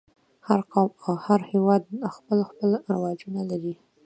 هر قوم او هر هېواد خپل خپل رواجونه لري.